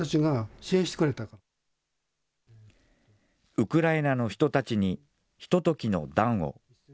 ウクライナの人たちにひとときの暖を。